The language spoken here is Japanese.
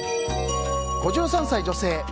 ５３歳、女性。